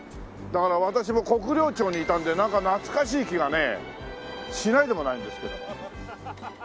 だから私も国領町にいたんでなんか懐かしい気がねしないでもないんですけど。